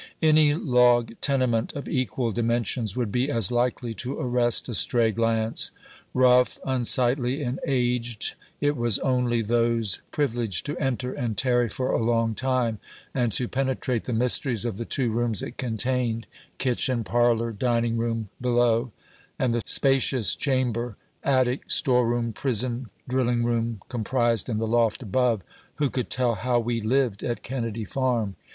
Any log tenement of equal di mensions would be as likely to arrest a stray glance. Bough, unsightly, and aged, it was only those privileged to enter and tarry for a long time, and to penetrate the mysteries of the two rooms it contained — kitchen, parlor, dining room below, and the spacious chamber, attic, store room, prison, drilling room, comprised in the loft above — who could tell how we lived at Kennedy Farm.